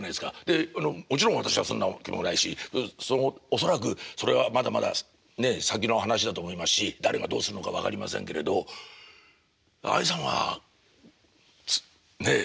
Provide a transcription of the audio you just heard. でもちろん私はそんな気もないし恐らくそれはまだまだねえ先の話だと思いますし誰がどうすんのか分かりませんけれどあにさんはねえ継いだわけですよね。